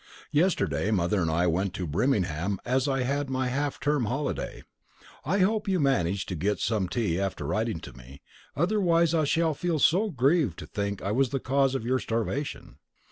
Yesterday Mother and I went to Birmingham as I had my half term holiday. I hope you managed to get some tea after writing to me, otherwise I shall feel so grieved to think I was the cause of your starvation.